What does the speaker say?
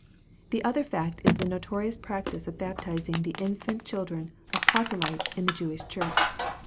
The other fact is the notorious practice of baptizing the infant children of proselytes in the Jewish Church.